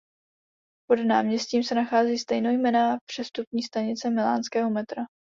Pod náměstím se nachází stejnojmenná přestupní stanice milánského metra.